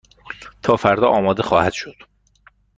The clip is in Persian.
تا فردا آماده خواهد شد.